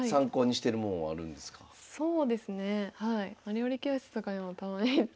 料理教室とかにもたまに行って。